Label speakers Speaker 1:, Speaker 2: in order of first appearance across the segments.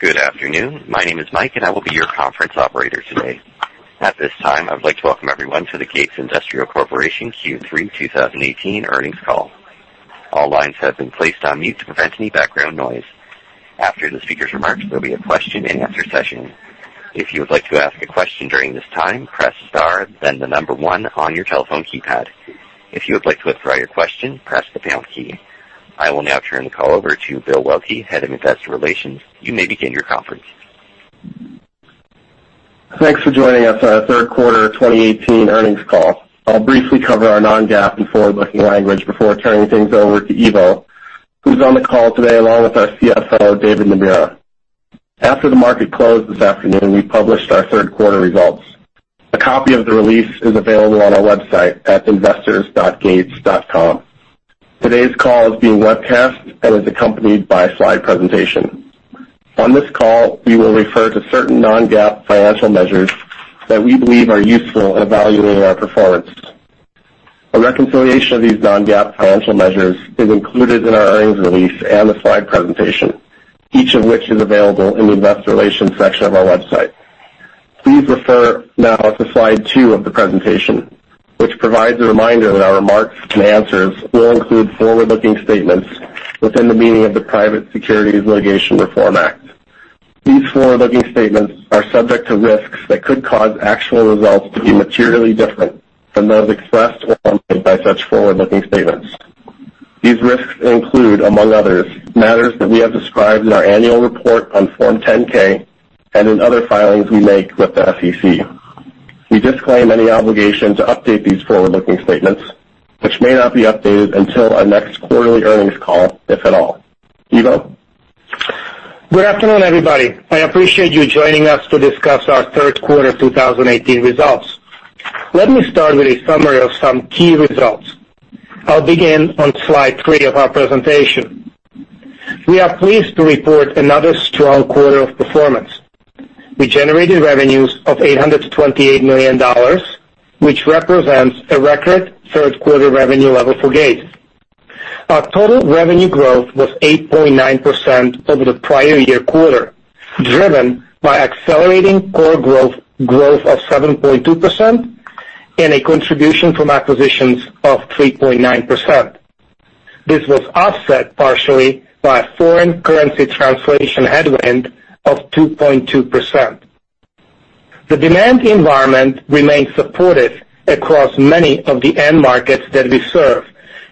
Speaker 1: Good afternoon. My name is Mike, and I will be your conference operator today. At this time, I would like to welcome everyone to the Gates Industrial Corporation Q3 2018 earnings call. All lines have been placed on mute to prevent any background noise. After the speaker's remarks, there will be a question-and-answer session. If you would like to ask a question during this time, press star, then the number one on your telephone keypad. If you would like to withdraw your question, press the pound key. I will now turn the call over to Bill Waelke, Head of Investor Relations. You may begin your conference.
Speaker 2: Thanks for joining us on our third quarter 2018 earnings call. I'll briefly cover our non-GAAP and forward-looking language before turning things over to Ivo, who's on the call today along with our CFO, David Nagler. After the market closed this afternoon, we published our third quarter results. A copy of the release is available on our website at investors.gates.com. Today's call is being webcast and is accompanied by a slide presentation. On this call, we will refer to certain non-GAAP financial measures that we believe are useful in evaluating our performance. A reconciliation of these non-GAAP financial measures is included in our earnings release and the slide presentation, each of which is available in the Investor Relations section of our website. Please refer now to slide 2 of the presentation, which provides a reminder that our remarks and answers will include forward-looking statements within the meaning of the Private Securities Litigation Reform Act. These forward-looking statements are subject to risks that could cause actual results to be materially different from those expressed or made by such forward-looking statements. These risks include, among others, matters that we have described in our annual report on Form 10-K and in other filings we make with the SEC. We disclaim any obligation to update these forward-looking statements, which may not be updated until our next quarterly earnings call, if at all. Ivo?
Speaker 3: Good afternoon, everybody. I appreciate you joining us to discuss our third quarter 2018 results. Let me start with a summary of some key results. I'll begin on slide 3 of our presentation. We are pleased to report another strong quarter of performance. We generated revenues of $828 million, which represents a record third quarter revenue level for Gates. Our total revenue growth was 8.9% over the prior year quarter, driven by accelerating core growth of 7.2% and a contribution from acquisitions of 3.9%. This was offset partially by a foreign currency translation headwind of 2.2%. The demand environment remained supportive across many of the end markets that we serve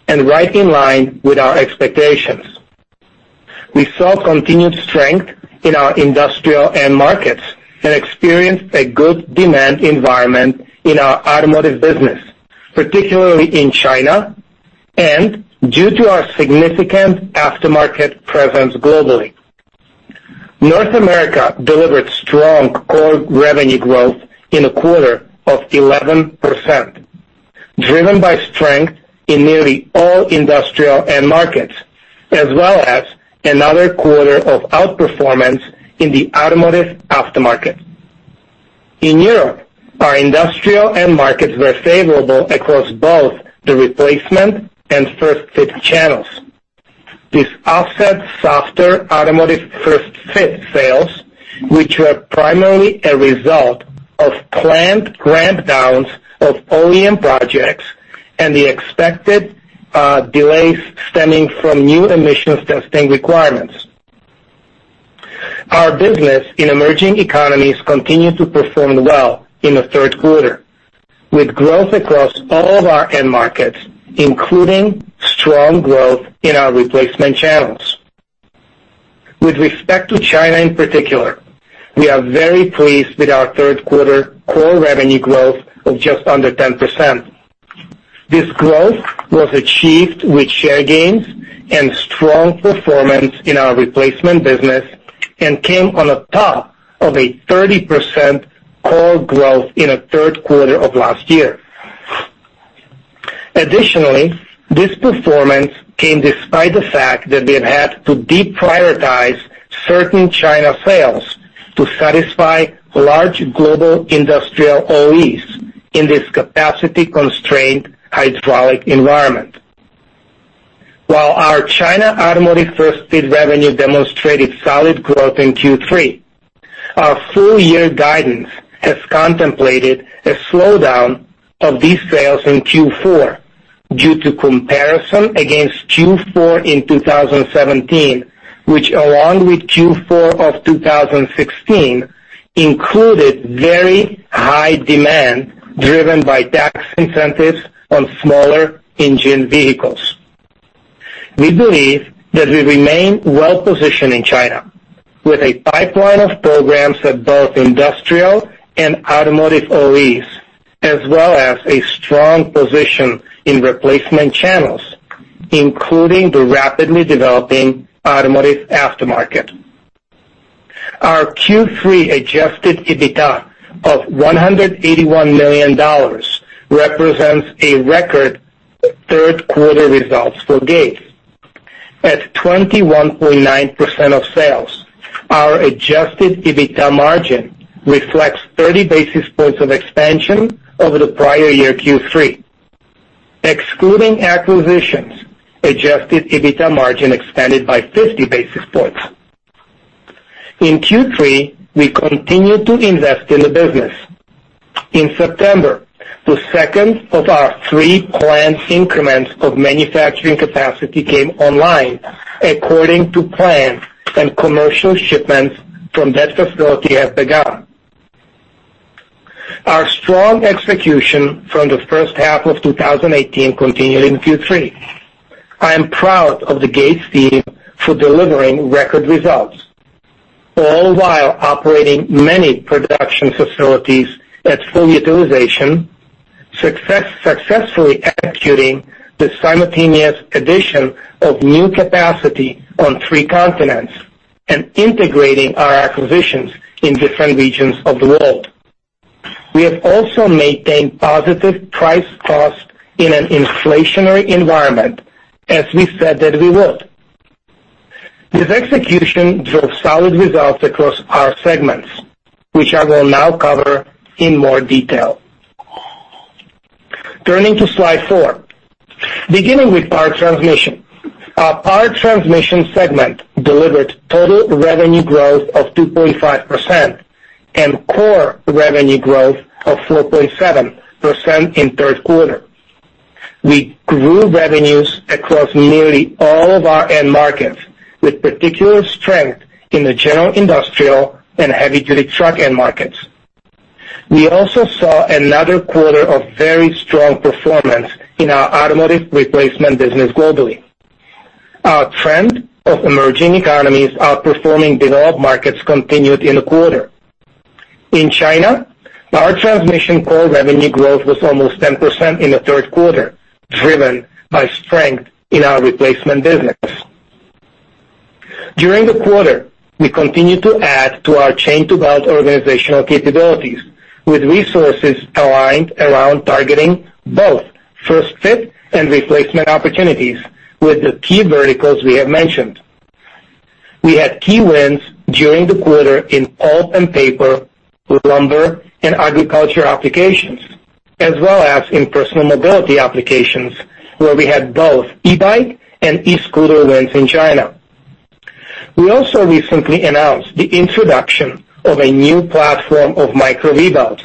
Speaker 3: and right in line with our expectations. We saw continued strength in our industrial end markets and experienced a good demand environment in our automotive business, particularly in China, and due to our significant aftermarket presence globally. North America delivered strong core revenue growth in a quarter of 11%, driven by strength in nearly all industrial end markets, as well as another quarter of outperformance in the automotive aftermarket. In Europe, our industrial end markets were favorable across both the replacement and first-fit channels. This offset softer automotive first-fit sales, which were primarily a result of planned ramp-downs of OEM projects and the expected delays stemming from new emissions testing requirements. Our business in emerging economies continued to perform well in the third quarter, with growth across all of our end markets, including strong growth in our replacement channels. With respect to China in particular, we are very pleased with our third quarter core revenue growth of just under 10%. This growth was achieved with share gains and strong performance in our replacement business and came on the top of a 30% core growth in the third quarter of last year. Additionally, this performance came despite the fact that we have had to deprioritize certain China sales to satisfy large global industrial OEs in this capacity-constrained hydraulic environment. While our China automotive first-fit revenue demonstrated solid growth in Q3, our full-year guidance has contemplated a slowdown of these sales in Q4 due to comparison against Q4 in 2017, which, along with Q4 of 2016, included very high demand driven by tax incentives on smaller engine vehicles. We believe that we remain well-positioned in China with a pipeline of programs at both industrial and automotive OEs, as well as a strong position in replacement channels, including the rapidly developing automotive aftermarket. Our Q3 adjusted EBITDA of $181 million represents a record third quarter results for Gates. At 21.9% of sales, our adjusted EBITDA margin reflects 30 basis points of expansion over the prior year Q3. Excluding acquisitions, adjusted EBITDA margin expanded by 50 basis points. In Q3, we continued to invest in the business. In September, the second of our three planned increments of manufacturing capacity came online, according to plan, and commercial shipments from that facility have begun. Our strong execution from the first half of 2018 continued in Q3. I am proud of the Gates team for delivering record results, all while operating many production facilities at full utilization, successfully executing the simultaneous addition of new capacity on three continents and integrating our acquisitions in different regions of the world. We have also maintained positive price cost in an inflationary environment, as we said that we would. This execution drove solid results across our segments, which I will now cover in more detail. Turning to slide 4, beginning with power transmission. Our power transmission segment delivered total revenue growth of 2.5% and core revenue growth of 4.7% in the third quarter. We grew revenues across nearly all of our end markets, with particular strength in the general industrial and heavy-duty truck end markets. We also saw another quarter of very strong performance in our automotive replacement business globally. Our trend of emerging economies outperforming developed markets continued in the quarter. In China, power transmission core revenue growth was almost 10% in the third quarter, driven by strength in our replacement business. During the quarter, we continued to add to our chain-to-belt organizational capabilities, with resources aligned around targeting both first-fit and replacement opportunities with the key verticals we have mentioned. We had key wins during the quarter in pulp and paper, lumber, and agriculture applications, as well as in personal mobility applications, where we had both e-bike and e-scooter wins in China. We also recently announced the introduction of a new platform of Micro V-belts.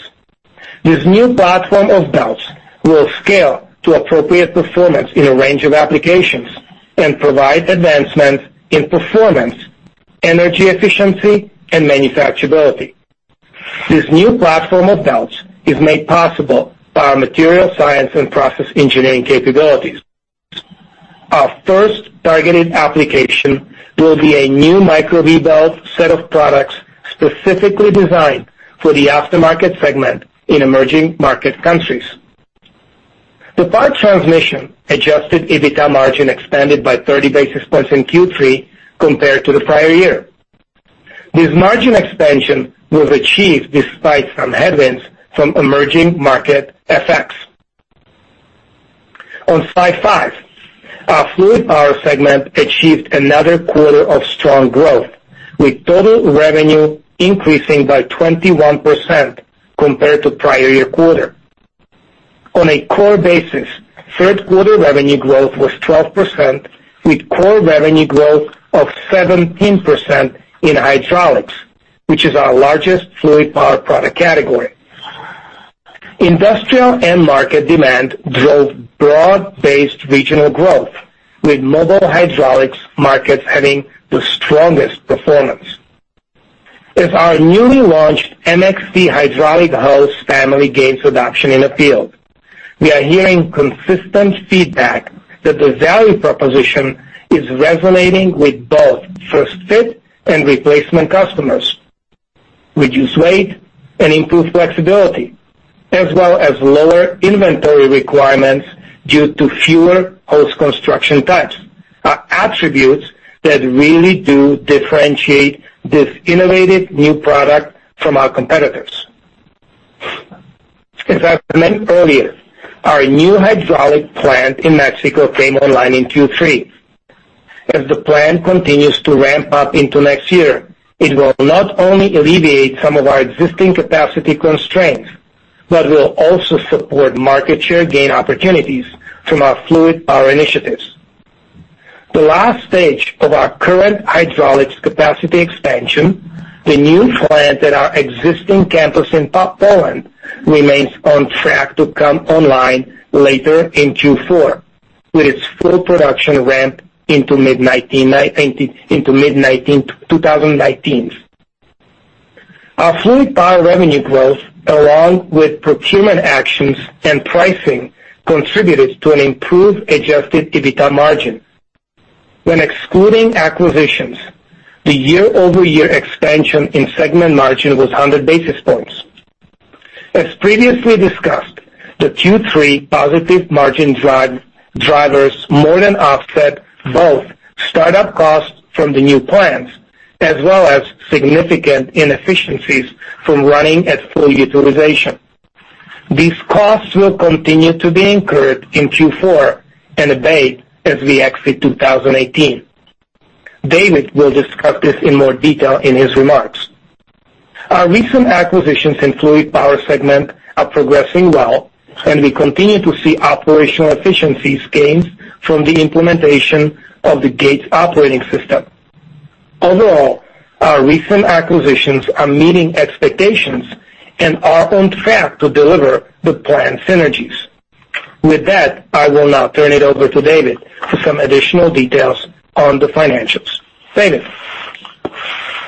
Speaker 3: This new platform of belts will scale to appropriate performance in a range of applications and provide advancements in performance, energy efficiency, and manufacturability. This new platform of belts is made possible by our material science and process engineering capabilities. Our first targeted application will be a new Micro V-belt set of products specifically designed for the aftermarket segment in emerging market countries. The power transmission adjusted EBITDA margin expanded by 30 basis points in Q3 compared to the prior year. This margin expansion was achieved despite some headwinds from emerging market effects. On slide 5, our fluid power segment achieved another quarter of strong growth, with total revenue increasing by 21% compared to prior year quarter. On a core basis, third quarter revenue growth was 12%, with core revenue growth of 17% in hydraulics, which is our largest fluid power product category. Industrial end market demand drove broad-based regional growth, with mobile hydraulics markets having the strongest performance. As our newly launched MXT hydraulic hose family gains adoption in the field, we are hearing consistent feedback that the value proposition is resonating with both first-fit and replacement customers. Reduced weight and improved flexibility, as well as lower inventory requirements due to fewer hose construction types, are attributes that really do differentiate this innovative new product from our competitors. As I mentioned earlier, our new hydraulic plant in Mexico came online in Q3. As the plant continues to ramp up into next year, it will not only alleviate some of our existing capacity constraints, but will also support market share gain opportunities from our fluid power initiatives. The last stage of our current hydraulics capacity expansion, the new plant at our existing campus in Poland, remains on track to come online later in Q4, with its full production ramp into mid-2019. Our fluid power revenue growth, along with procurement actions and pricing, contributed to an improved adjusted EBITDA margin. When excluding acquisitions, the year-over-year expansion in segment margin was 100 basis points. As previously discussed, the Q3 positive margin drivers more than offset both startup costs from the new plants, as well as significant inefficiencies from running at full utilization. These costs will continue to be incurred in Q4 and abate as we exit 2018. David will discuss this in more detail in his remarks. Our recent acquisitions in fluid power segment are progressing well, and we continue to see operational efficiency gains from the implementation of the Gates operating system. Overall, our recent acquisitions are meeting expectations and are on track to deliver the planned synergies. With that, I will now turn it over to David for some additional details on the financials. David.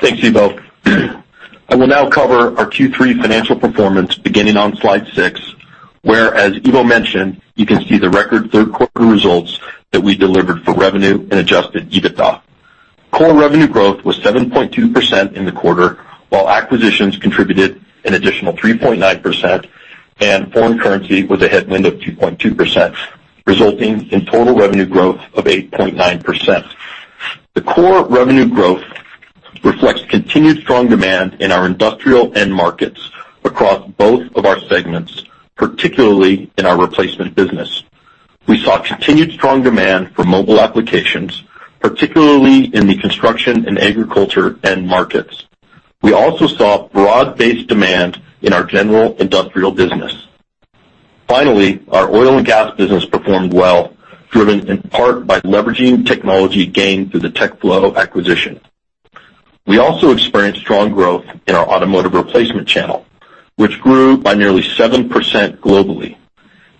Speaker 4: Thanks, Ivo. I will now cover our Q3 financial performance beginning on slide 6, where, as Ivo mentioned, you can see the record third quarter results that we delivered for revenue and adjusted EBITDA. Core revenue growth was 7.2% in the quarter, while acquisitions contributed an additional 3.9%, and foreign currency was a headwind of 2.2%, resulting in total revenue growth of 8.9%. The core revenue growth reflects continued strong demand in our industrial end markets across both of our segments, particularly in our replacement business. We saw continued strong demand for mobile applications, particularly in the construction and agriculture end markets. We also saw broad-based demand in our general industrial business. Finally, our oil and gas business performed well, driven in part by leveraging technology gained through the TechFlow acquisition. We also experienced strong growth in our automotive replacement channel, which grew by nearly 7% globally,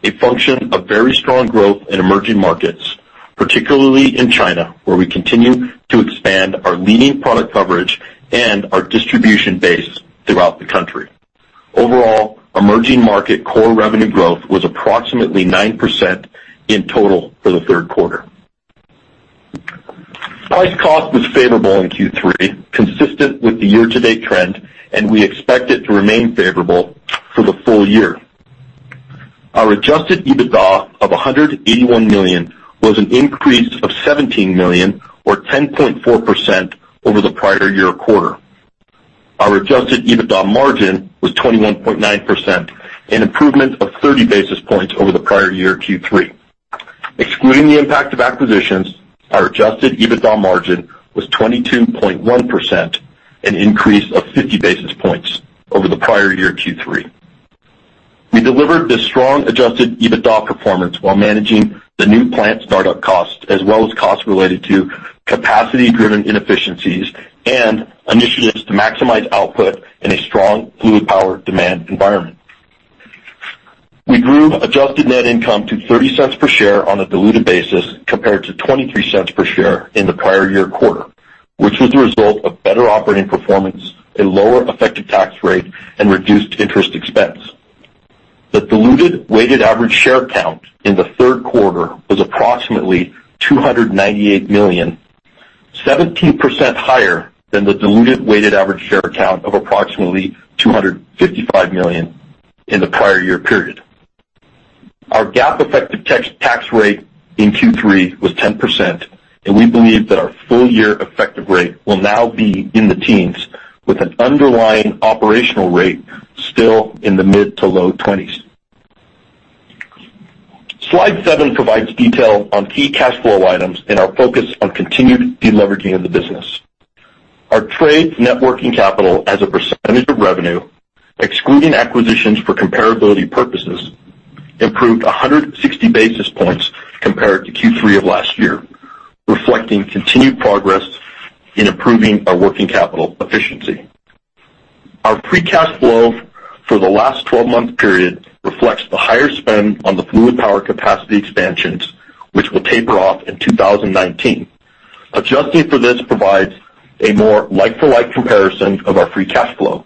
Speaker 4: a function of very strong growth in emerging markets, particularly in China, where we continue to expand our leading product coverage and our distribution base throughout the country. Overall, emerging market core revenue growth was approximately 9% in total for the third quarter. Price cost was favorable in Q3, consistent with the year-to-date trend, and we expect it to remain favorable for the full year. Our adjusted EBITDA of $181 million was an increase of $17 million, or 10.4%, over the prior year quarter. Our adjusted EBITDA margin was 21.9%, an improvement of 30 basis points over the prior year Q3. Excluding the impact of acquisitions, our adjusted EBITDA margin was 22.1%, an increase of 50 basis points over the prior year Q3. We delivered this strong adjusted EBITDA performance while managing the new plant startup costs, as well as costs related to capacity-driven inefficiencies and initiatives to maximize output in a strong fluid power demand environment. We grew adjusted net income to $0.30 per share on a diluted basis compared to $0.23 per share in the prior year quarter, which was the result of better operating performance, a lower effective tax rate, and reduced interest expense. The diluted weighted average share count in the third quarter was approximately 298 million, 17% higher than the diluted weighted average share count of approximately 255 million in the prior year period. Our GAAP effective tax rate in Q3 was 10%, and we believe that our full-year effective rate will now be in the teens, with an underlying operational rate still in the mid to low 20s. Slide 7 provides detail on key cash flow items and our focus on continued deleveraging of the business. Our trade networking capital as a percentage of revenue, excluding acquisitions for comparability purposes, improved 160 basis points compared to Q3 of last year, reflecting continued progress in improving our working capital efficiency. Our free cash flow for the last 12-month period reflects the higher spend on the fluid power capacity expansions, which will taper off in 2019. Adjusting for this provides a more like-for-like comparison of our free cash flow.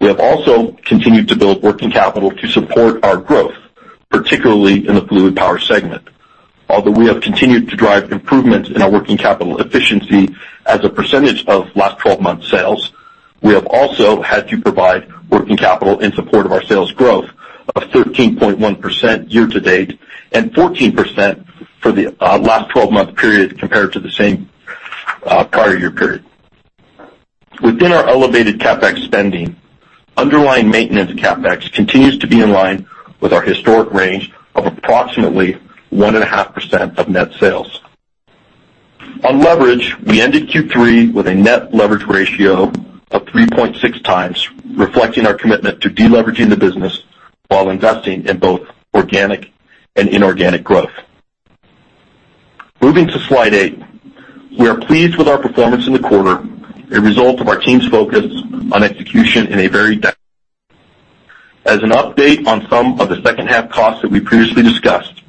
Speaker 4: We have also continued to build working capital to support our growth, particularly in the fluid power segment. Although we have continued to drive improvements in our working capital efficiency as a percentage of last 12-month sales, we have also had to provide working capital in support of our sales growth of 13.1% year-to-date and 14% for the last 12-month period compared to the same prior year period. Within our elevated CapEx spending, underlying maintenance CapEx continues to be in line with our historic range of approximately 1.5% of net sales. On leverage, we ended Q3 with a net leverage ratio of 3.6x, reflecting our commitment to deleveraging the business while investing in both organic and inorganic growth. Moving to slide 8, we are pleased with our performance in the quarter, a result of our team's focus on execution in a very dynamic way. As an update on some of the second-half costs that we previously discussed,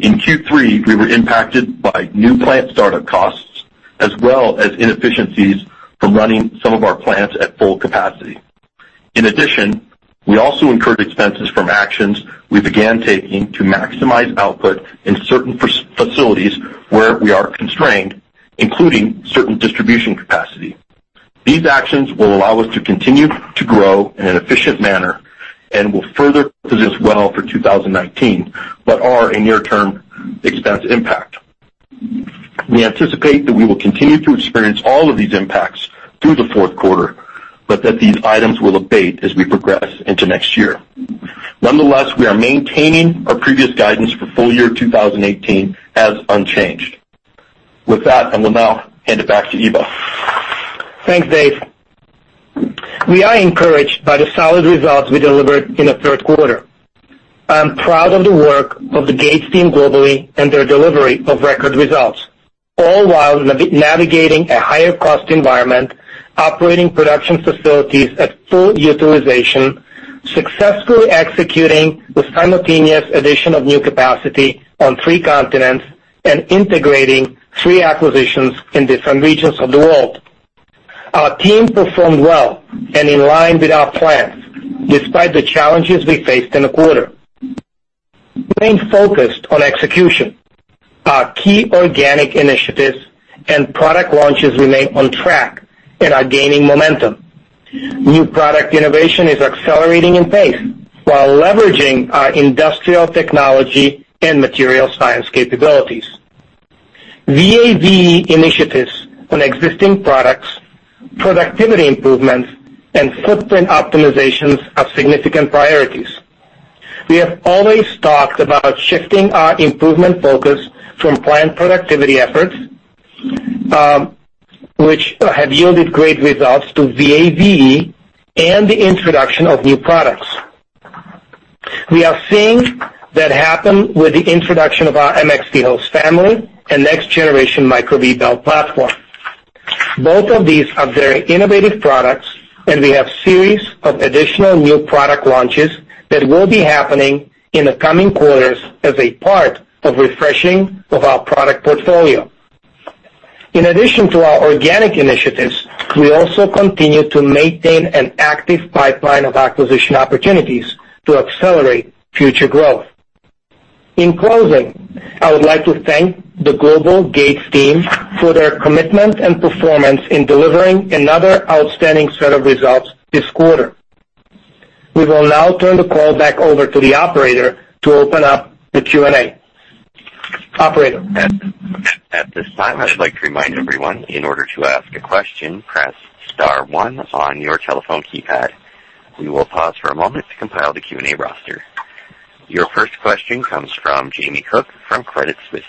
Speaker 4: in Q3, we were impacted by new plant start-up costs, as well as inefficiencies from running some of our plants at full capacity. In addition, we also incurred expenses from actions we began taking to maximize output in certain facilities where we are constrained, including certain distribution capacity. These actions will allow us to continue to grow in an efficient manner and will further position us well for 2019, but are a near-term expense impact. We anticipate that we will continue to experience all of these impacts through the fourth quarter, but that these items will abate as we progress into next year. Nonetheless, we are maintaining our previous guidance for full year 2018 as unchanged. With that, I will now hand it back to Ivo.
Speaker 3: Thanks, Dave. We are encouraged by the solid results we delivered in the third quarter. I'm proud of the work of the Gates team globally and their delivery of record results, all while navigating a higher-cost environment, operating production facilities at full utilization, successfully executing the simultaneous addition of new capacity on three continents, and integrating three acquisitions in different regions of the world. Our team performed well and in line with our plans, despite the challenges we faced in the quarter. We remained focused on execution. Our key organic initiatives and product launches remain on track and are gaining momentum. New product innovation is accelerating in pace while leveraging our industrial technology and material science capabilities. VAV initiatives on existing products, productivity improvements, and footprint optimizations are significant priorities. We have always talked about shifting our improvement focus from plant productivity efforts, which have yielded great results, to VAV and the introduction of new products. We are seeing that happen with the introduction of our MXT hose family and next-generation Micro-V belt platform. Both of these are very innovative products, and we have a series of additional new product launches that will be happening in the coming quarters as a part of refreshing our product portfolio. In addition to our organic initiatives, we also continue to maintain an active pipeline of acquisition opportunities to accelerate future growth. In closing, I would like to thank the global Gates team for their commitment and performance in delivering another outstanding set of results this quarter. We will now turn the call back over to the operator to open up the Q&A. Operator.
Speaker 1: At this time, I would like to remind everyone, in order to ask a question, press star one on your telephone keypad. We will pause for a moment to compile the Q&A roster. Your first question comes from Jamie Cook from Credit Suisse.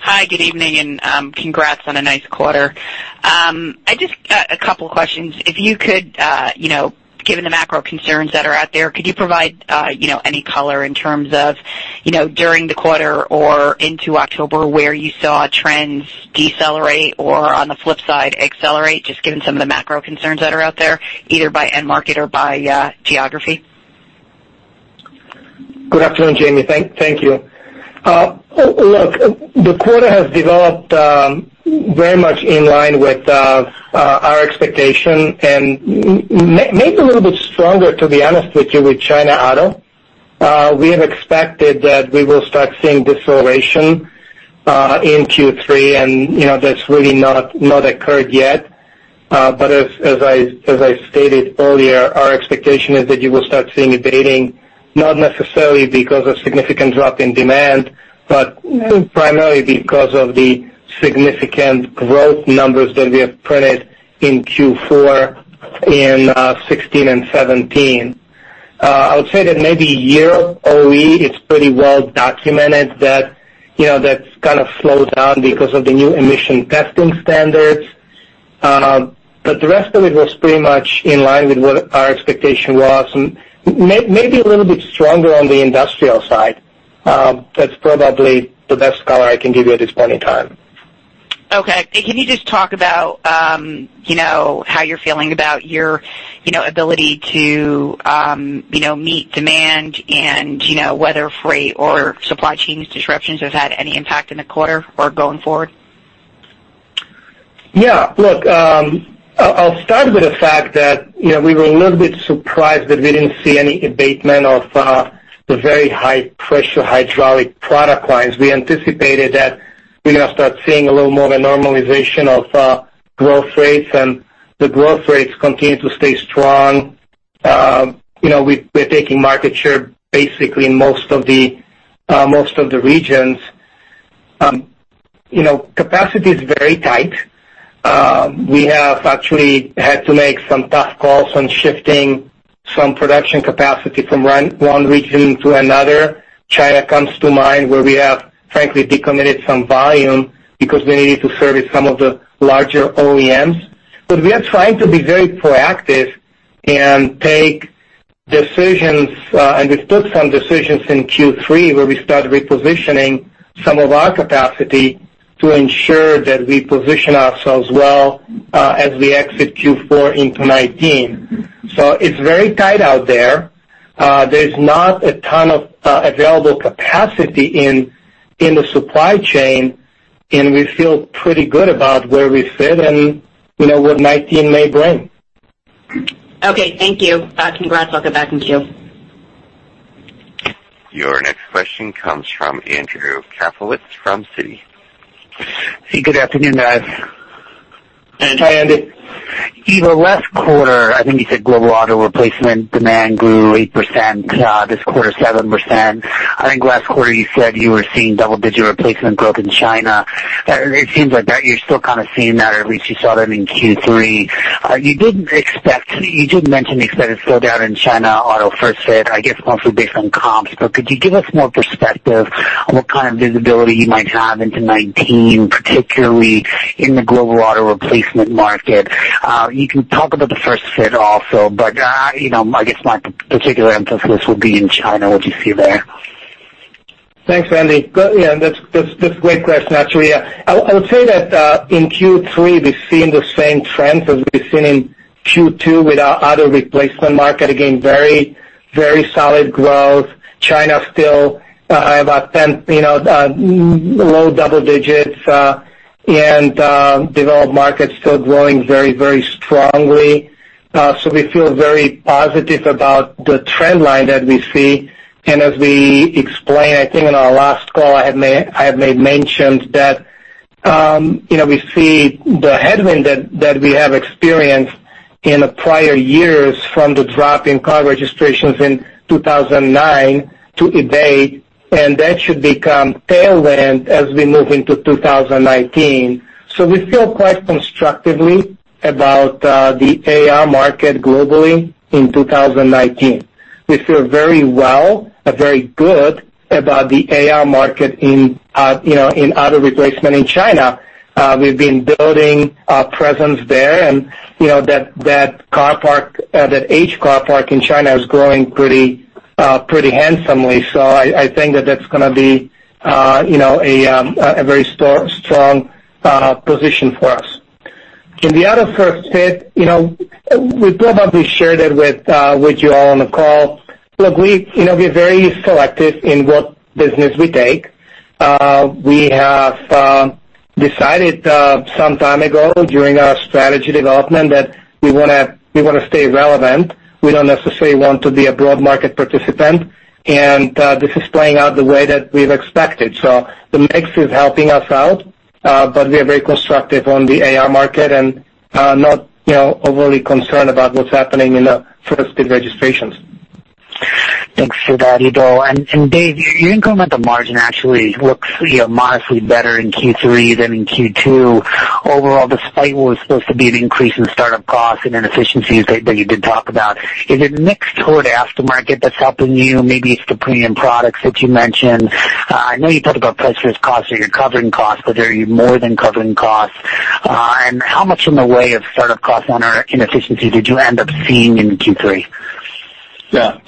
Speaker 5: Hi, good evening, and congrats on a nice quarter. I just got a couple of questions. If you could, given the macro concerns that are out there, could you provide any color in terms of, during the quarter or into October, where you saw trends decelerate or, on the flip side, accelerate, just given some of the macro concerns that are out there, either by end market or by geography?
Speaker 3: Good afternoon, Jamie. Thank you. Look, the quarter has developed very much in line with our expectation and maybe a little bit stronger, to be honest with you, with China auto. We have expected that we will start seeing deceleration in Q3, and that's really not occurred yet. As I stated earlier, our expectation is that you will start seeing a deceleration, not necessarily because of significant drop in demand, but primarily because of the significant growth numbers that we have printed in Q4 in 2016 and 2017. I would say that maybe [Europe], OE, it's pretty well documented that that's kind of slowed down because of the new emission testing standards. The rest of it was pretty much in line with what our expectation was, maybe a little bit stronger on the industrial side. That's probably the best color I can give you at this point in time.
Speaker 5: Okay. Can you just talk about how you're feeling about your ability to meet demand and whether freight or supply chain disruptions have had any impact in the quarter or going forward?
Speaker 3: Yeah. Look, I'll start with the fact that we were a little bit surprised that we didn't see any abatement of the very high-pressure hydraulic product lines. We anticipated that we're going to start seeing a little more of a normalization of growth rates, and the growth rates continue to stay strong. We're taking market share basically in most of the regions. Capacity is very tight. We have actually had to make some tough calls on shifting some production capacity from one region to another. China comes to mind, where we have, frankly, decommitted some volume because we needed to service some of the larger OEMs. We are trying to be very proactive and take decisions, and we took some decisions in Q3, where we started repositioning some of our capacity to ensure that we position ourselves well as we exit Q4 into 2019. It is very tight out there. There is not a ton of available capacity in the supply chain, and we feel pretty good about where we fit and what 2019 may bring.
Speaker 5: Okay. Thank you. Congrats. I'll get back to you.
Speaker 1: Your next question comes from Andrew Kaplowitz from Citi.
Speaker 6: Hey, good afternoon, guys.
Speaker 3: Hi, Andy.
Speaker 6: In the last quarter, I think you said global auto replacement demand grew 8%. This quarter, 7%. I think last quarter, you said you were seeing double-digit replacement growth in China. It seems like you're still kind of seeing that, or at least you saw that in Q3. You did mention you said it slowed down in China auto first fit, I guess mostly based on comps, but could you give us more perspective on what kind of visibility you might have into 2019, particularly in the global auto replacement market? You can talk about the first fit also, but I guess my particular emphasis would be in China, what you see there.
Speaker 3: Thanks, Andy. Yeah, that's a great question, actually. I would say that in Q3, we've seen the same trends as we've seen in Q2 with our auto replacement market, again, very solid growth. China still about low double-digits, and developed markets still growing very, very strongly. We feel very positive about the trend line that we see. As we explained, I think in our last call, I had made mention that we see the headwind that we have experienced in the prior years from the drop in car registrations in 2009 to today, and that should become tailwind as we move into 2019. We feel quite constructively about the AR market globally in 2019. We feel very well, very good about the AR market in auto replacement in China. We've been building our presence there, and that age car park in China is growing pretty handsomely. I think that that's going to be a very strong position for us. In the auto first fit, we probably shared it with you all on the call. Look, we are very selective in what business we take. We have decided some time ago during our strategy development that we want to stay relevant. We do not necessarily want to be a broad market participant, and this is playing out the way that we have expected. The mix is helping us out, but we are very constructive on the AR market and not overly concerned about what is happening in the first-fit registrations.
Speaker 6: Thanks for that, Ivo. Dave, your incremental margin actually looks modestly better in Q3 than in Q2 overall, despite what was supposed to be an increase in startup costs and inefficiencies that you did talk about. Is it mixed toward aftermarket that's helping you? Maybe it's the premium products that you mentioned. I know you talked about price-versus-cost or your covering costs, but are you more than covering costs? How much in the way of startup costs or inefficiency did you end up seeing in Q3?
Speaker 4: Yeah.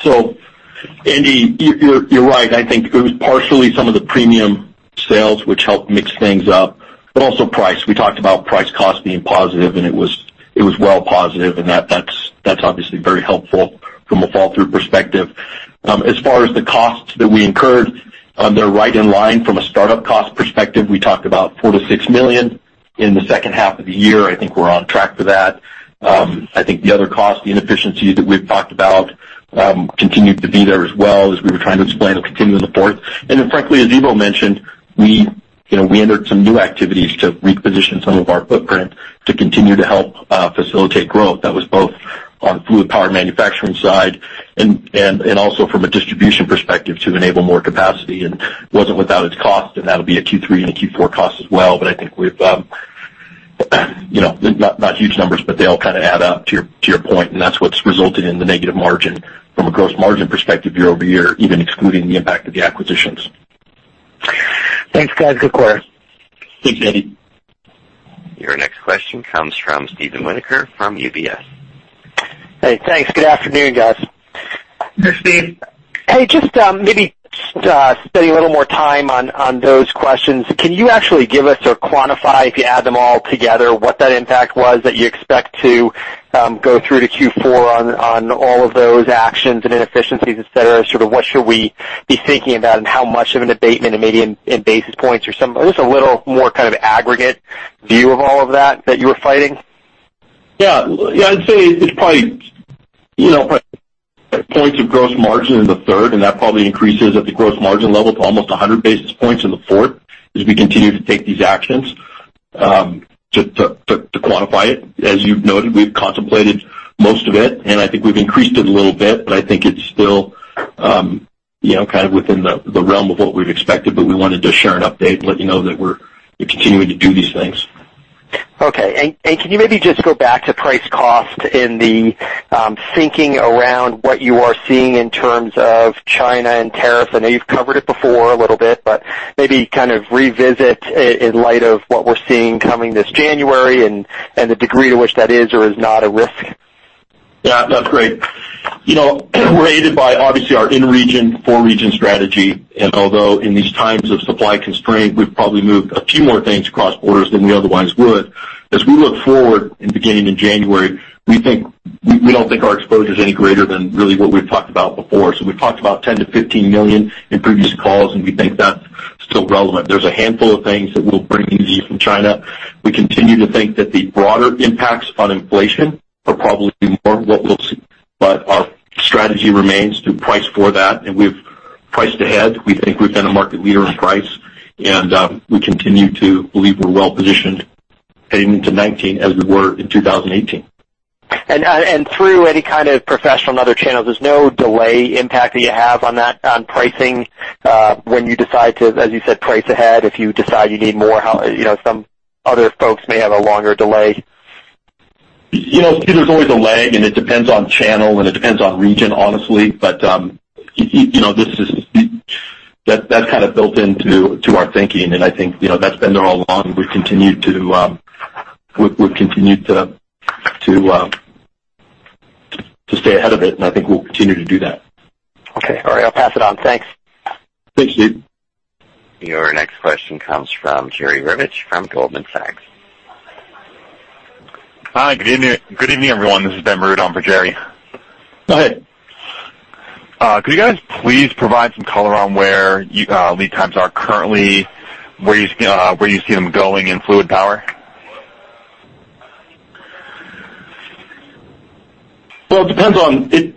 Speaker 4: Andy, you're right. I think it was partially some of the premium sales, which helped mix things up, but also price. We talked about price-cost being positive, and it was well positive, and that's obviously very helpful from a fall-through perspective. As far as the costs that we incurred, they're right in line from a startup cost perspective. We talked about $4 million-$6 million in the second half of the year. I think we're on track for that. I think the other cost, the inefficiencies that we've talked about, continued to be there as well as we were trying to explain and continue in the fourth. Frankly, as Ivo mentioned, we entered some new activities to reposition some of our footprint to continue to help facilitate growth. That was both on the fluid power manufacturing side and also from a distribution perspective to enable more capacity. It was not without its cost, and that will be a Q3 and a Q4 cost as well. I think we have not huge numbers, but they all kind of add up to your point, and that is what has resulted in the negative margin from a gross margin perspective year over year, even excluding the impact of the acquisitions.
Speaker 6: Thanks, guys. Good quarter.
Speaker 4: Thanks, Andy.
Speaker 1: Your next question comes from Steven Winiker from UBS.
Speaker 7: Hey, thanks. Good afternoon, guys.
Speaker 3: Hey, Steve.
Speaker 7: Hey, just maybe spending a little more time on those questions. Can you actually give us or quantify, if you add them all together, what that impact was that you expect to go through to Q4 on all of those actions and inefficiencies, etc.? Sort of what should we be thinking about and how much of an abatement and maybe in basis points or just a little more kind of aggregate view of all of that that you were fighting?
Speaker 4: Yeah. Yeah, I'd say it's probably points of gross margin in the third, and that probably increases at the gross margin level to almost 100 basis points in the fourth as we continue to take these actions to quantify it. As you've noted, we've contemplated most of it, and I think we've increased it a little bit, but I think it's still kind of within the realm of what we've expected. We wanted to share an update and let you know that we're continuing to do these things.
Speaker 7: Okay. Can you maybe just go back to price-cost in the thinking around what you are seeing in terms of China and tariffs? I know you've covered it before a little bit, but maybe kind of revisit in light of what we're seeing coming this January and the degree to which that is or is not a risk.
Speaker 4: Yeah, that's great. We're aided by, obviously, our in-region, four-region strategy. Although in these times of supply constraint, we've probably moved a few more things across borders than we otherwise would, as we look forward and beginning in January, we don't think our exposure is any greater than really what we've talked about before. We've talked about $10 million-$15 million in previous calls, and we think that's still relevant. There's a handful of things that we'll bring in from China. We continue to think that the broader impacts on inflation are probably more what we'll see, but our strategy remains to price for that, and we've priced ahead. We think we've been a market leader in price, and we continue to believe we're well positioned heading into 2019 as we were in 2018.
Speaker 7: Through any kind of professional and other channels, there's no delay impact that you have on pricing when you decide to, as you said, price ahead? If you decide you need more, some other folks may have a longer delay.
Speaker 4: There's always a lag, and it depends on channel, and it depends on region, honestly. That is kind of built into our thinking, and I think that's been there all along. We've continued to stay ahead of it, and I think we'll continue to do that.
Speaker 7: Okay. All right. I'll pass it on. Thanks.
Speaker 4: Thanks, Steve.
Speaker 1: Your next question comes from Jerry Revich from Goldman Sachs.
Speaker 8: Hi. Good evening, everyone. This is Ben Merood. I'm for Jerry.
Speaker 4: Go ahead.
Speaker 8: Could you guys please provide some color on where lead times are currently, where you see them going in fluid power?
Speaker 4: Honestly, it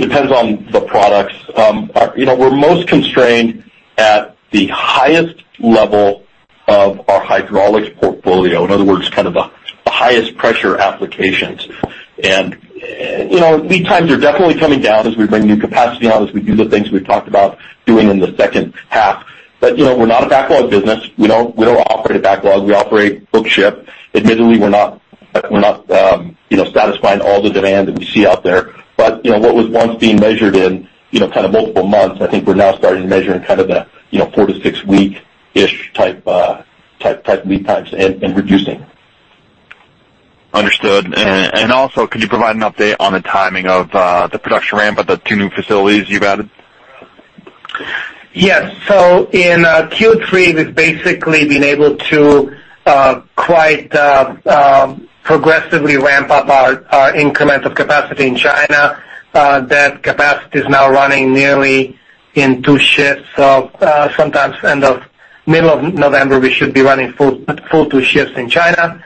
Speaker 4: depends on the products. We're most constrained at the highest level of our hydraulics portfolio, in other words, kind of the highest pressure applications. Lead times are definitely coming down as we bring new capacity on, as we do the things we've talked about doing in the second half. We're not a backlog business. We don't operate a backlog. We operate bookship. Admittedly, we're not satisfying all the demand that we see out there. What was once being measured in kind of multiple months, I think we're now starting to measure in kind of the four- to six-week-ish type lead times and reducing.
Speaker 8: Understood. Could you provide an update on the timing of the production ramp at the two new facilities you have added?
Speaker 3: Yes. In Q3, we've basically been able to quite progressively ramp up our incremental capacity in China. That capacity is now running nearly in two shifts. Sometime at the middle of November, we should be running full two shifts in China.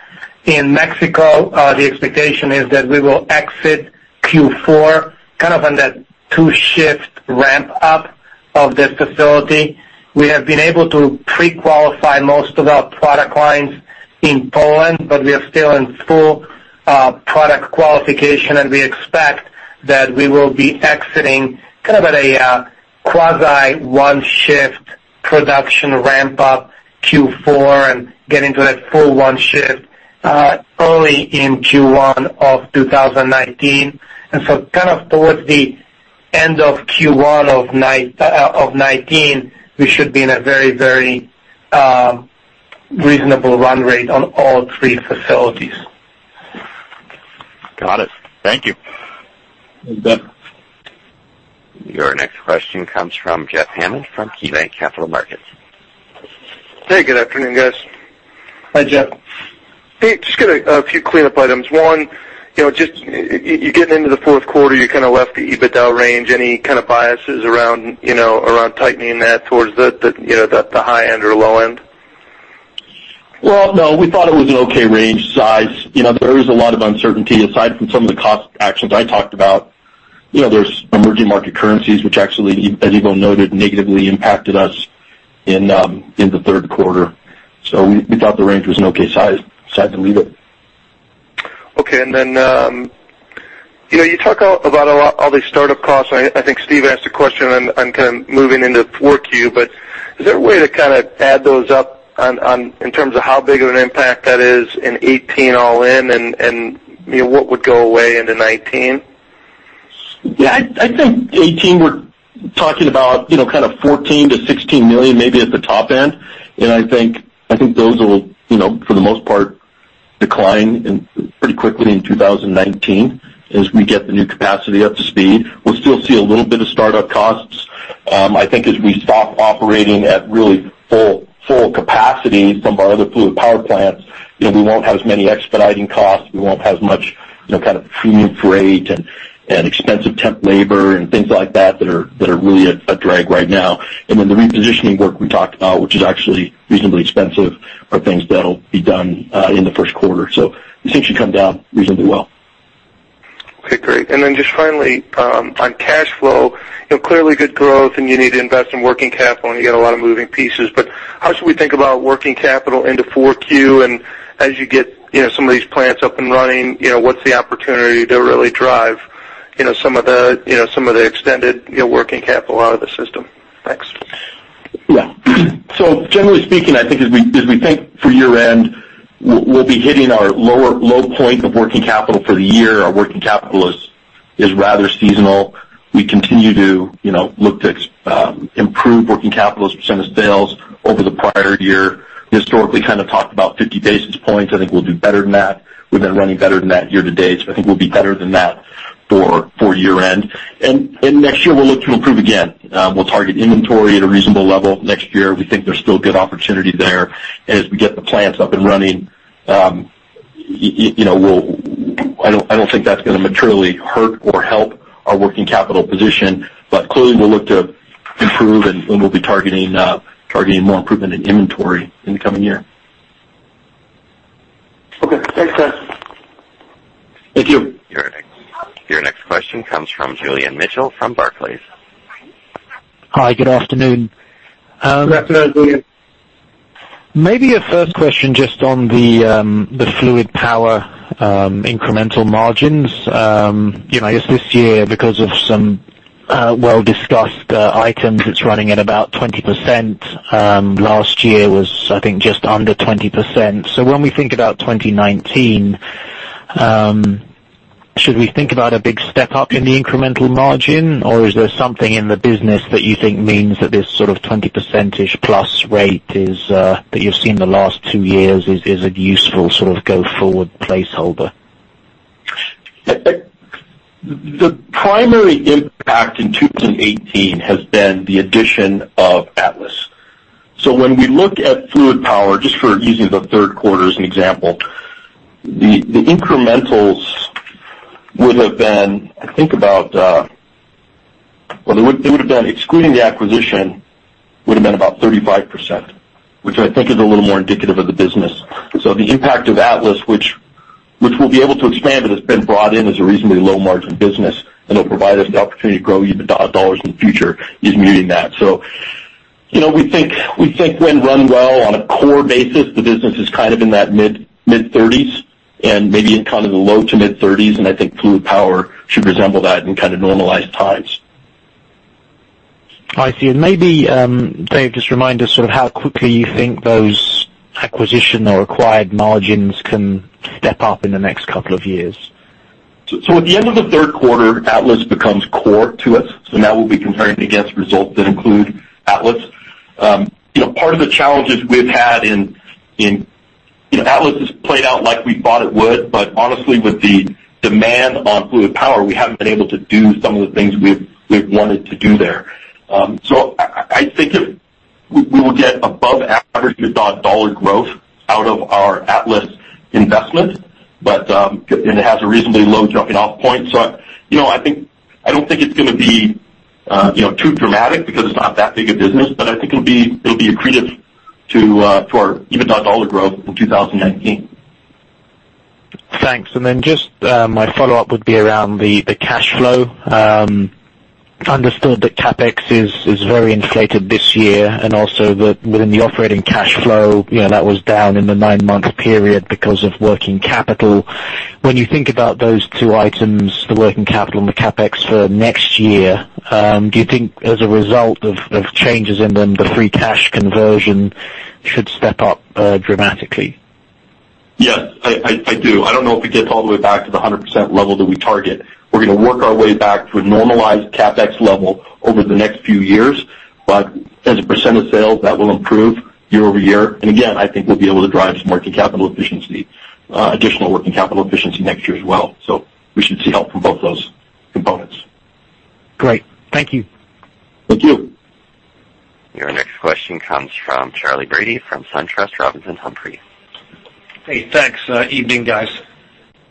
Speaker 3: In Mexico, the expectation is that we will exit Q4 kind of on that two-shift ramp-up of this facility. We have been able to pre-qualify most of our product lines in Poland, but we are still in full product qualification, and we expect that we will be exiting kind of at a quasi-one-shift production ramp-up Q4 and getting to that full one-shift early in Q1 of 2019. Toward the end of Q1 of 2019, we should be in a very, very reasonable run rate on all three facilities.
Speaker 8: Got it. Thank you.
Speaker 3: Thank you, Ben.
Speaker 1: Your next question comes from Jeff Hammond from KeyBanc Capital Markets.
Speaker 9: Hey, good afternoon, guys.
Speaker 4: Hi, Jeff.
Speaker 9: Hey, just got a few cleanup items. One, just you're getting into the fourth quarter. You kind of left the EBITDA range. Any kind of biases around tightening that towards the high end or low end?
Speaker 4: No. We thought it was an okay range size. There is a lot of uncertainty aside from some of the cost actions I talked about. There are emerging market currencies, which actually, as Ivo noted, negatively impacted us in the third quarter. We thought the range was an okay size. Decided to leave it.
Speaker 9: Okay. You talk about all these startup costs. I think Steve asked a question on kind of moving into Q4, but is there a way to kind of add those up in terms of how big of an impact that is in 2018 all in, and what would go away in 2019?
Speaker 4: Yeah. I think 2018, we're talking about kind of $14 million-$16 million, maybe at the top end. I think those will, for the most part, decline pretty quickly in 2019 as we get the new capacity up to speed. We'll still see a little bit of startup costs. I think as we stop operating at really full capacity from our other fluid power plants, we won't have as many expediting costs. We won't have as much kind of premium freight and expensive temp labor and things like that that are really a drag right now. The repositioning work we talked about, which is actually reasonably expensive, are things that'll be done in the first quarter. We think it should come down reasonably well.
Speaker 9: Okay. Great. Finally, on cash flow, clearly good growth, and you need to invest in working capital. You got a lot of moving pieces. How should we think about working capital into Q4? As you get some of these plants up and running, what's the opportunity to really drive some of the extended working capital out of the system? Thanks.
Speaker 4: Yeah. Generally speaking, I think as we think for year-end, we'll be hitting our low point of working capital for the year. Our working capital is rather seasonal. We continue to look to improve working capital's percentage of sales over the prior year. Historically, kind of talked about 50 basis points. I think we'll do better than that. We've been running better than that year to date. I think we'll be better than that for year-end. Next year, we'll look to improve again. We'll target inventory at a reasonable level next year. We think there's still good opportunity there. As we get the plants up and running, I don't think that's going to materially hurt or help our working capital position. Clearly, we'll look to improve, and we'll be targeting more improvement in inventory in the coming year.
Speaker 9: Okay. Thanks, guys.
Speaker 4: Thank you.
Speaker 1: Your next question comes from Julian Mitchell from Barclays.
Speaker 10: Hi. Good afternoon.
Speaker 3: Good afternoon, Julian.
Speaker 10: Maybe a first question just on the fluid power incremental margins. I guess this year, because of some well-discussed items, it's running at about 20%. Last year was, I think, just under 20%. When we think about 2019, should we think about a big step up in the incremental margin, or is there something in the business that you think means that this sort of 20%-ish plus rate that you've seen the last two years is a useful sort of go-forward placeholder?
Speaker 4: The primary impact in 2018 has been the addition of [Teceflex]. When we look at fluid power, just for using the third quarter as an example, the incrementals would have been, I think, about, well, they would have been excluding the acquisition, would have been about 35%, which I think is a little more indicative of the business. The impact of [Teceflex], which we will be able to expand, has been brought in as a reasonably low-margin business, and it will provide us the opportunity to grow even dollars in the future, is muting that. We think when running well on a core basis, the business is kind of in that mid-30s and maybe in kind of the low to mid-30s. I think fluid power should resemble that in kind of normalized times.
Speaker 10: I see. Maybe just remind us sort of how quickly you think those acquisition or acquired margins can step up in the next couple of years.
Speaker 4: At the end of the third quarter, [Teceflex] becomes core to us. Now we'll be comparing against results that include [Teceflex]. Part of the challenges we've had in [Teceflex] has played out like we thought it would, but honestly, with the demand on fluid power, we haven't been able to do some of the things we've wanted to do there. I think we will get above-average dollar growth out of our [Teceflex] investment, and it has a reasonably low jumping-off point. I don't think it's going to be too dramatic because it's not that big a business, but I think it'll be accretive to our EBITDA dollar growth in 2019.
Speaker 10: Thanks. Just my follow-up would be around the cash flow. Understood that CapEx is very inflated this year, and also that within the operating cash flow, that was down in the nine-month period because of working capital. When you think about those two items, the working capital and the CapEx for next year, do you think as a result of changes in them, the free cash conversion should step up dramatically?
Speaker 4: Yes, I do. I do not know if it gets all the way back to the 100% level that we target. We are going to work our way back to a normalized CapEx level over the next few years, but as a percent of sales, that will improve year-over- year. I think we will be able to drive some working capital efficiency, additional working capital efficiency next year as well. We should see help from both those components.
Speaker 10: Great. Thank you.
Speaker 4: Thank you.
Speaker 1: Your next question comes from Charley Brady from SunTrust Robinson Humphrey.
Speaker 11: Hey, thanks. Evening, guys.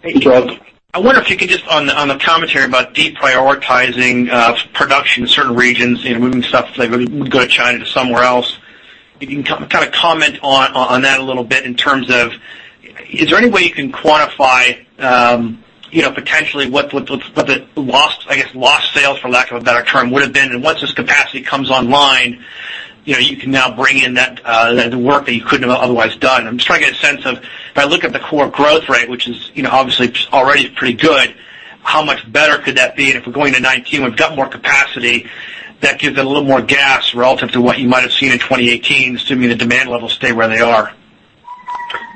Speaker 4: Hey, Charley.
Speaker 11: I wonder if you could just, on the commentary about deprioritizing production in certain regions and moving stuff from good China to somewhere else, if you can kind of comment on that a little bit in terms of, is there any way you can quantify potentially what the, I guess, lost sales, for lack of a better term, would have been? Once this capacity comes online, you can now bring in the work that you could not have otherwise done. I'm just trying to get a sense of, if I look at the core growth rate, which is obviously already pretty good, how much better could that be? If we're going to 2019, we've got more capacity, that gives it a little more gas relative to what you might have seen in 2018, assuming the demand levels stay where they are.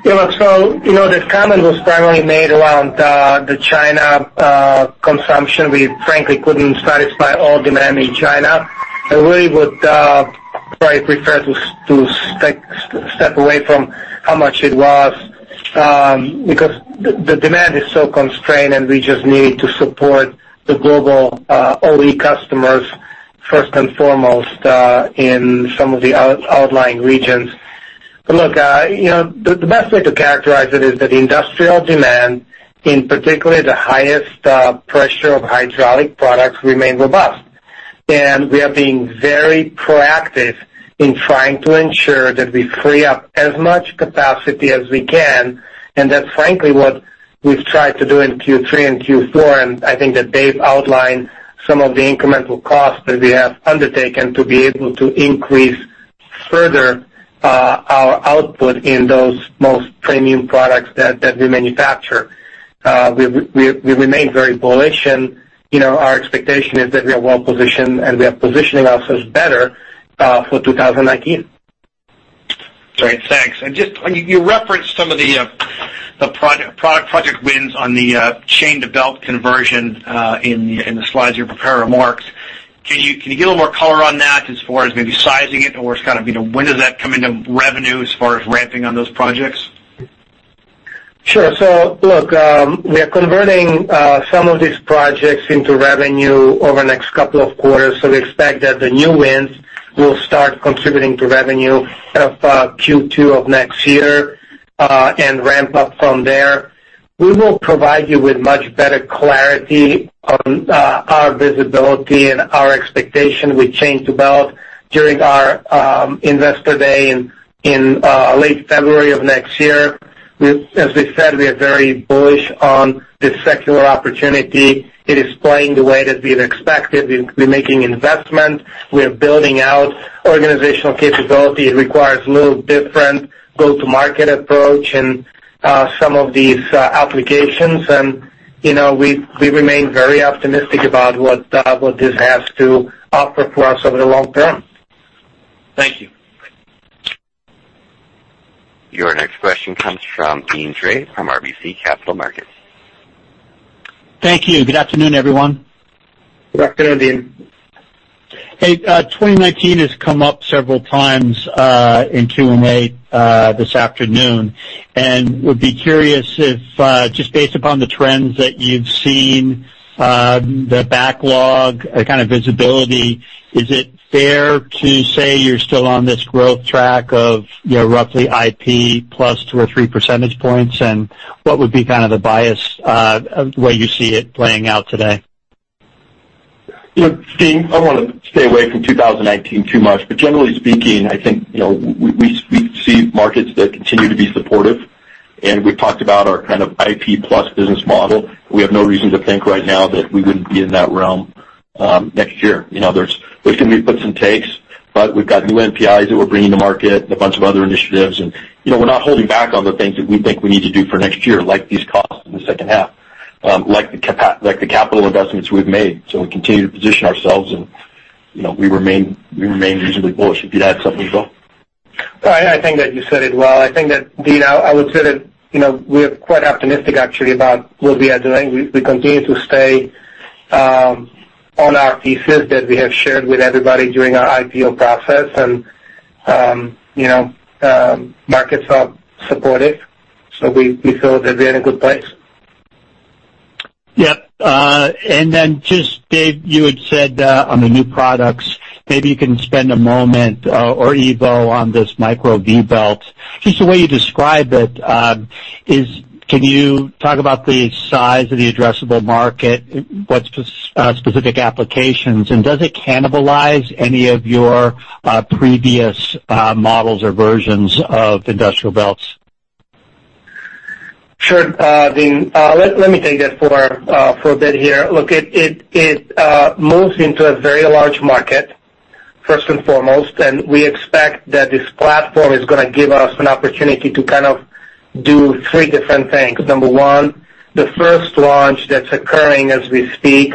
Speaker 3: Yeah. The comment was primarily made around the China consumption. We, frankly, couldn't satisfy all demand in China. I really would probably prefer to step away from how much it was because the demand is so constrained, and we just need to support the global OE customers first and foremost in some of the outlying regions. Look, the best way to characterize it is that the industrial demand, in particular, the highest pressure of hydraulic products remained robust. We are being very proactive in trying to ensure that we free up as much capacity as we can, and that, frankly, is what we've tried to do in Q3 and Q4, and I think that they've outlined some of the incremental costs that we have undertaken to be able to increase further our output in those most premium products that we manufacture. We remain very bullish, and our expectation is that we are well-positioned, and we are positioning ourselves better for 2019.
Speaker 11: Great. Thanks. You referenced some of the product project wins on the chain-to-belt conversion in the slides you prepared or marks. Can you give a little more color on that as far as maybe sizing it, or kind of when does that come into revenue as far as ramping on those projects?
Speaker 3: Sure. Look, we are converting some of these projects into revenue over the next couple of quarters. We expect that the new wins will start contributing to revenue in Q2 of next year and ramp up from there. We will provide you with much better clarity on our visibility and our expectation with chain-to-belt during our investor day in late February of next year. As we said, we are very bullish on the secular opportunity. It is playing the way that we've expected. We're making investment. We are building out organizational capability. It requires a little different go-to-market approach in some of these applications. We remain very optimistic about what this has to offer for us over the long-term.
Speaker 11: Thank you.
Speaker 1: Your next question comes from Deane Dray from RBC Capital Markets.
Speaker 12: Thank you. Good afternoon, everyone.
Speaker 3: Good afternoon, Deane.
Speaker 12: Hey, 2019 has come up several times in Q&A this afternoon, and would be curious if, just based upon the trends that you've seen, the backlog, the kind of visibility, is it fair to say you're still on this growth track of roughly IP plus two or three percentage points? What would be kind of the bias of the way you see it playing out today?
Speaker 4: Deane, I want to stay away from 2019 too much, but generally speaking, I think we see markets that continue to be supportive. And we've talked about our kind of IP plus business model. We have no reason to think right now that we wouldn't be in that realm next year. There's going to be flips and takes, but we've got new NPIs that we're bringing to market and a bunch of other initiatives. We're not holding back on the things that we think we need to do for next year, like these costs in the second half, like the capital investments we've made. We continue to position ourselves, and we remain reasonably bullish. If you'd add something, Bill?
Speaker 2: I think that you said it well. I think that, Deane, I would say that we are quite optimistic actually about what we are doing. We continue to stay on our thesis that we have shared with everybody during our IPO process, and markets are supportive. We feel that we're in a good place.
Speaker 12: Yep. And then just, Dave, you had said on the new products, maybe you can spend a moment or Ivo on this Micro V-belt. Just the way you describe it, can you talk about the size of the addressable market, what specific applications, and does it cannibalize any of your previous models or versions of industrial belts?
Speaker 3: Sure, Deane. Let me take that for a bit here. Look, it moves into a very large market, first and foremost, and we expect that this platform is going to give us an opportunity to kind of do three different things. Number one, the first launch that is occurring as we speak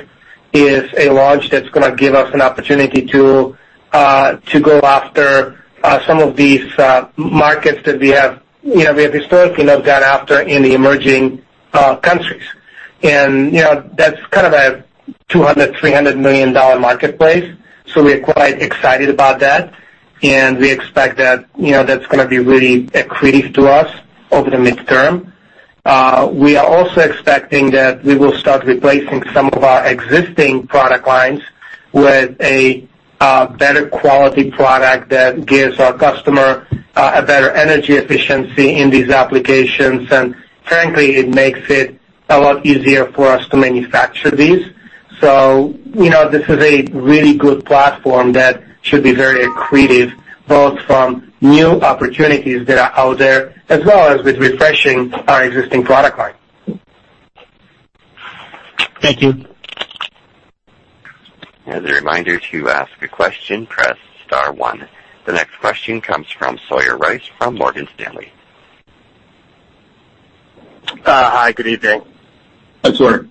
Speaker 3: is a launch that is going to give us an opportunity to go after some of these markets that we have historically not gone after in the emerging countries. That is kind of a $200 million-$300 million marketplace. We are quite excited about that, and we expect that is going to be really accretive to us over the midterm. We are also expecting that we will start replacing some of our existing product lines with a better quality product that gives our customer better energy efficiency in these applications. Frankly, it makes it a lot easier for us to manufacture these. This is a really good platform that should be very accretive, both from new opportunities that are out there as well as with refreshing our existing product line.
Speaker 12: Thank you.
Speaker 1: As a reminder to ask a question, press star one. The next question comes from Sawyer Rice from Morgan Stanley.
Speaker 13: Hi. Good evening.
Speaker 4: Hi, Sawyer.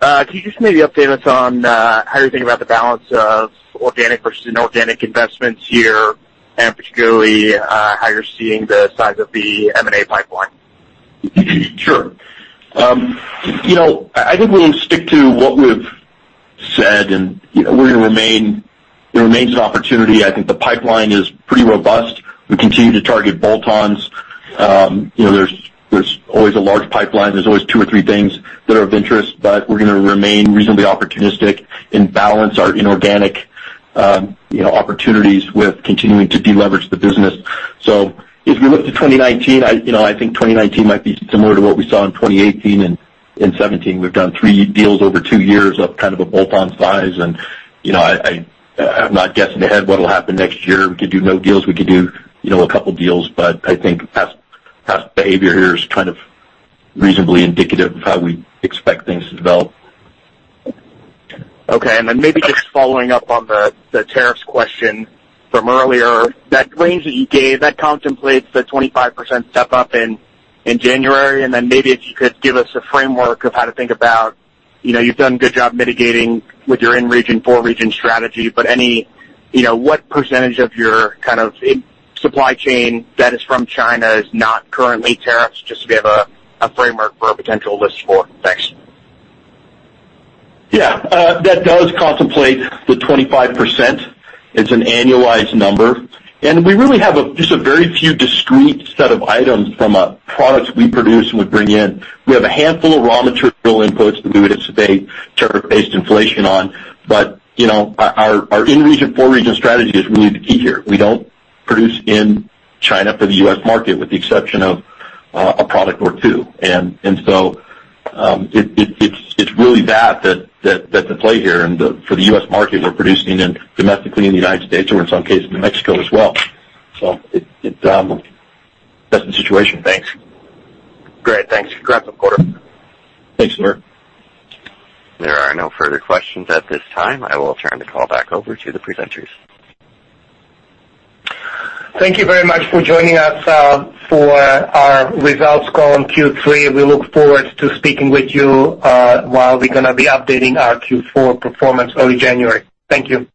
Speaker 14: Can you just maybe update us on how you're thinking about the balance of organic versus inorganic investments here, and particularly how you're seeing the size of the M&A pipeline?
Speaker 4: Sure. I think we'll stick to what we've said, and we're going to remain, it remains an opportunity. I think the pipeline is pretty robust. We continue to target bolt-ons. There's always a large pipeline. There's always two or three things that are of interest, but we're going to remain reasonably opportunistic and balance our inorganic opportunities with continuing to deleverage the business. If we look to 2019, I think 2019 might be similar to what we saw in 2018 and 2017. We've done three deals over two years of kind of a bolt-on size, and I'm not guessing ahead what will happen next year. We could do no deals. We could do a couple of deals, but I think past behavior here is kind of reasonably indicative of how we expect things to develop.
Speaker 13: Okay. Maybe just following up on the tariffs question from earlier, that range that you gave, that contemplates the 25% step-up in January. Maybe if you could give us a framework of how to think about, you've done a good job mitigating with your in-region, for-region strategy, but what percentage of your kind of supply chain that is from China is not currently tariffed? Just so we have a framework for a potential list for next.
Speaker 4: Yeah. That does contemplate the 25%. It's an annualized number. We really have just a very few discrete set of items from products we produce and we bring in. We have a handful of raw material inputs that we would anticipate tariff-based inflation on, but our in-region, four-region strategy is really the key here. We do not produce in China for the U.S. market with the exception of a product or two. It is really that that is at play here. For the U.S. market, we are producing domestically in the United States or in some cases in Mexico as well. That is the situation. Thanks.
Speaker 14: Great. Thanks. Congrats, [Reporter].
Speaker 4: Thanks, Sawyer.
Speaker 1: There are no further questions at this time. I will turn the call back over to the presenters.
Speaker 3: Thank you very much for joining us for our results call on Q3. We look forward to speaking with you while we're going to be updating our Q4 performance early January. Thank you.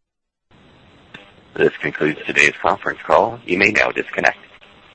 Speaker 1: This concludes today's conference call. You may now disconnect.